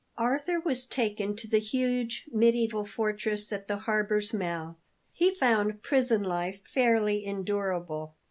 ARTHUR was taken to the huge mediaeval fortress at the harbour's mouth. He found prison life fairly endurable.